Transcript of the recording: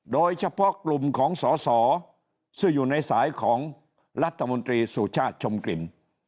โดยเฉพาะกลุ่มของสอสอซึ่งอยู่ในสายของรัฐมนตรีสุชาติชมกลิ่น